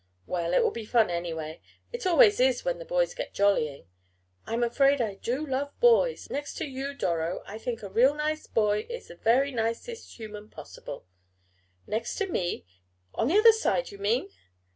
"Well, it will be fun anyway. It always is when the boys get jollying. I am afraid I do love boys next to you, Doro, I think a real nice boy is the very nicest human possible." "Next to me? On the other side you mean?"